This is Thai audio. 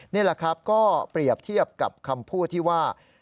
นี่แหละครับก็เปรียบเทียบกับคำพูดที่ว่า